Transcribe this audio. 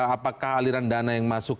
apakah aliran dana yang masuk